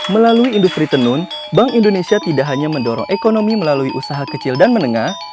melalui industri tenun bank indonesia tidak hanya mendorong ekonomi melalui usaha kecil dan menengah